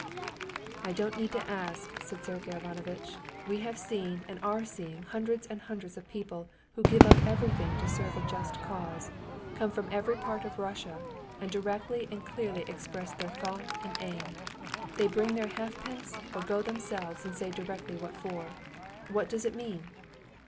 "I don't need to ask," said Sergey Ivanovitch, "we have seen and are seeing hundreds and hundreds of people who give up everything to serve a just cause, come from every part of Russia, and directly and clearly express their thought and aim. They bring their halfpence or go themselves and say directly what for. What does it mean?"